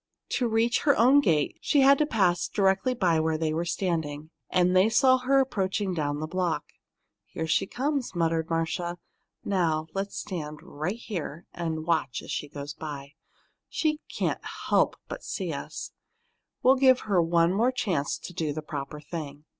To reach her own gate, she had to pass directly by where they were standing, and they saw her approaching down the block. "Here she comes," muttered Marcia. "Now, let's stand right here and watch her as she goes by. She can't help but see us. We'll give her one more chance to do the proper thing."